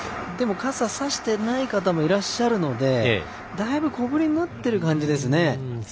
傘を差してない方もいらっしゃるので、だいぶ小降りになっている感じですね。